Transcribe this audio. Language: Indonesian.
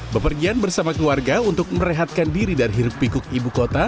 bepergian bersama keluarga untuk merehatkan diri dari hirup pikuk ibu kota